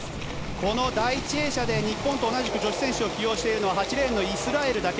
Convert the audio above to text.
この第１泳者で日本と同じく女子選手を起用しているのは８レーンのイスラエルだけ。